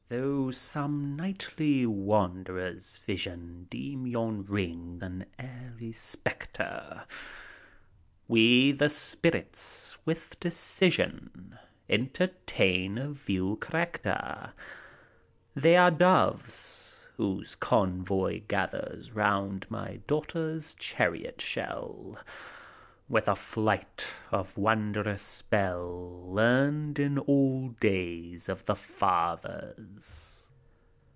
Though some nightly wanderer's vision Deem yon ring an airy spectre, We, the spirits, with decision Entertain a view correcter : They are doves, whose convoy gathers Round my daughter's chariot shell. With a flight of wondrous spell, Learned in old days of the fathers. THALES.